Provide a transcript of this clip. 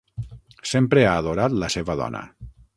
Sempre ha adorat la seva dona.